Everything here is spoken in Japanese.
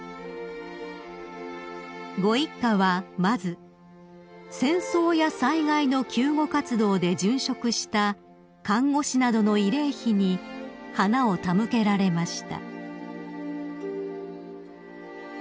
［ご一家はまず戦争や災害の救護活動で殉職した看護師などの慰霊碑に花を手向けられました］